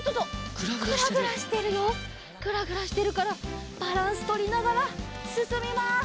グラグラしてるからバランスとりながらすすみます。